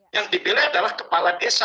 yang dipilih adalah kepala desa